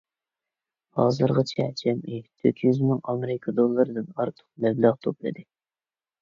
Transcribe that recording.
ھازىرغىچە جەمئىي تۆت يۈز مىڭ ئامېرىكا دوللىرىدىن ئارتۇق مەبلەغ توپلىدى.